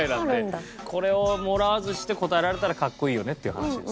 これをもらわずして答えられたらかっこいいよねっていう話です。